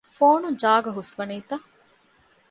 ފޯނުން ޖާގަ ހުސްވަނީތަ؟